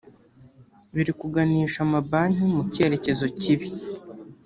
biri kuganisha amabanki mu cyerekezo kibi